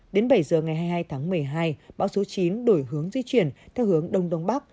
đến bảy giờ ngày hai mươi hai tháng một mươi hai bão số chín đổi hướng di chuyển theo hướng đông đông bắc